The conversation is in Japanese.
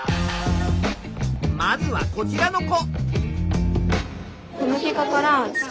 まずはこちらの子。